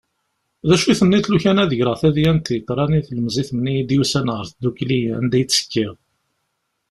D acu i tenniḍ lukan ad greɣ tadyant yeḍran i tlemẓit-nni i d-yusan ɣer tddukli anda i ttekkiɣ.